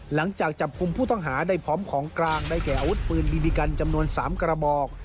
หลังจากจับกลุ่มผู้ต้องหาได้พร้อมของกลางได้แก่อาวุธปืนบีบีกันจำนวน๓กระบอก